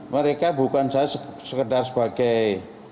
mereka bukan saya sekedar sebagai